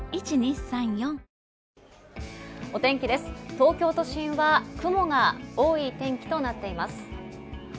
東京都心は雲が多い天気となっています。